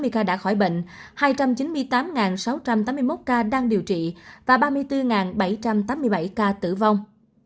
một chín trăm sáu mươi ca đã khỏi bệnh hai trăm chín mươi tám sáu trăm tám mươi một ca đang điều trị và ba mươi bốn bảy trăm tám mươi bảy ca tử vong